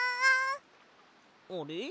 あれ？